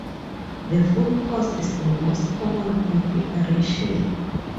The "Full Course" is the most common configuration.